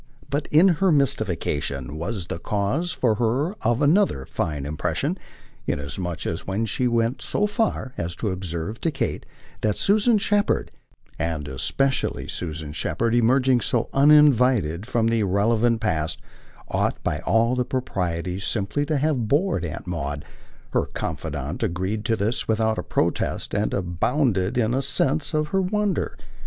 But her mystification was the cause for her of another fine impression, inasmuch as when she went so far as to observe to Kate that Susan Shepherd and especially Susan Shepherd emerging so uninvited from an irrelevant past ought by all the proprieties simply to have bored Aunt Maud, her confidant agreed to this without a protest and abounded in the sense of her wonder.